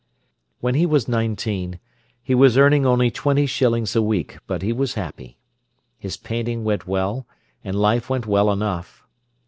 When he was nineteen, he was earning only twenty shillings a week, but he was happy. His painting went well, and life went well enough.